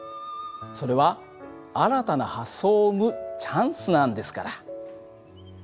それは新たな発想を生むチャンスなんですから。